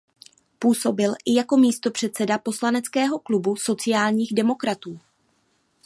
Působil i jako místopředseda poslaneckého klubu sociálních demokratů.